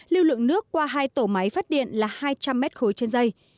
lưu lượng nước qua hai tổ máy phát điện là hai trăm linh m ba trên dây